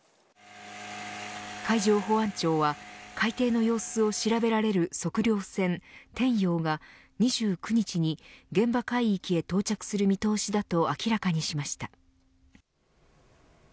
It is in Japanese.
海上保安庁は海底の様子を調べられる測量船天洋が２９日に現場海域へ到着する見通しだと明らかにしました。